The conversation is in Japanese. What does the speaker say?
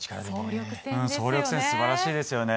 総力戦、素晴らしいですよね。